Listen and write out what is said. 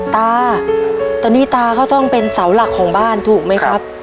ตาตอนนี้ตาเขาต้องเป็นเสาหลักของบ้านถูกไหมครับ